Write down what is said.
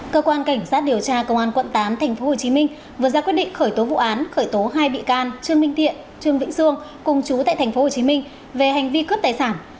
cơ quan cảnh sát điều tra công an quận tám tp hcm vừa ra quyết định khởi tố vụ án khởi tố hai bị can trương minh thiện trương vĩnh sương cùng chú tại tp hcm về hành vi cướp tài sản